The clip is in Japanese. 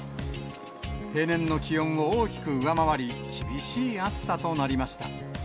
平年の気温を大きく上回り、厳しい暑さとなりました。